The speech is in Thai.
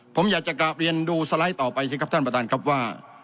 ผมอยากจะกลับเรียนดูสไลด์ต่อไปสิครับท่านประธานครับว่า